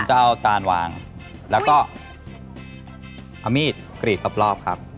ผมจะเอาจานวางมีชอบกรีดละปรอบครับ